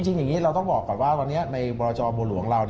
อย่างนี้เราต้องบอกก่อนว่าวันนี้ในบรจบัวหลวงเรา